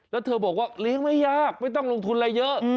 แล้วเธอบอกว่าเลี้ยงไม่ยากไม่ต้องลงทุนอะไรเยอะ